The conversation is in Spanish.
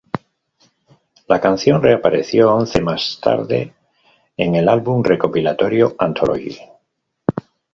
La canción reapareció once más tarde en el álbum recopilatorio Anthology.